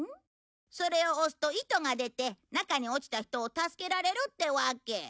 それを押すと糸が出て中に落ちた人を助けられるってわけ。